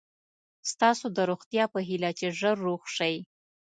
ستاسو د روغتیا په هیله چې ژر روغ شئ.